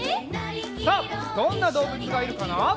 さあどんなどうぶつがいるかな？